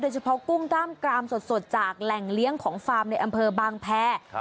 เฉพาะกุ้งกล้ามกรามสดจากแหล่งเลี้ยงของฟาร์มในอำเภอบางแพร